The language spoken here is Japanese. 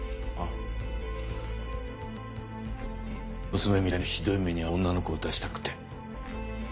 娘みたいなひどい目に遭う女の子を出したくなくて。